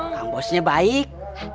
kang bosnya baik